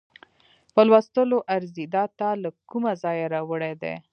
په لوستلو ارزي، دا تا له کومه ځایه راوړې دي؟